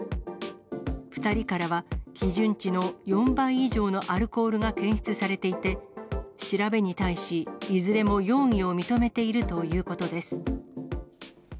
２人からは、基準値の４倍以上のアルコールが検出されていて、調べに対し、いずれも容疑を認めているということです。